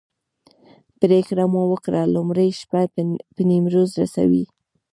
پرېکړه مو وکړه لومړۍ شپه به نیمروز رسوو.